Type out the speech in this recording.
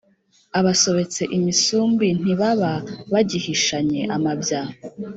Abasobetse imisumbi ntibaba bagihishanye amabya.